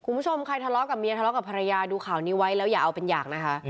คุณผู้ชมใครทะเลาะกับเมียทะเลาะกับภรรยาดูข่าวนี้ไว้แล้วอย่าเอาเป็นอย่างนะคะ